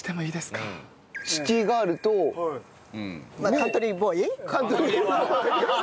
カントリーボーイ。